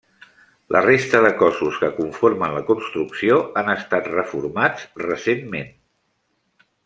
La resta de cossos que conformen la construcció han estat reformats recentment.